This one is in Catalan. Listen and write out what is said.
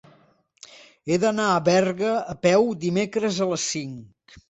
He d'anar a Berga a peu dimecres a les cinc.